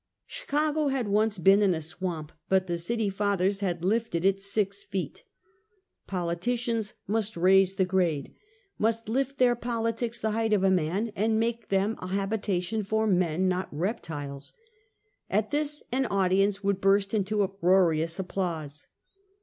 Chicago had once been in a swamp, but the City Fathers had lifted it six feet. Politicians must " raise the grade," must lift their politics the height of a man, and make them a habitation for men, not reptiles. At this an audience would burst into uproarous applause.